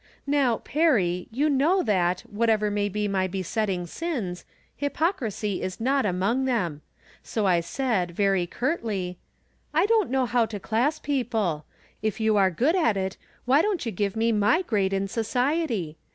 Now, Perry, you know that, whatever may be my besetting sins, hypocrisy is not among them. So I said, very curtly :" I don't know how to class people. If you are good at it, won't you give me my grade in society